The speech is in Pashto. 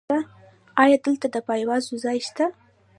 ایا دلته د پایواز ځای شته؟